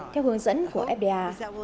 theo hướng dẫn của fda